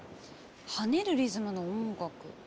跳ねるリズムの音楽。